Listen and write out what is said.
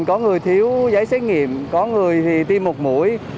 có người thiếu giấy xét nghiệm có người thì tiêm một mũi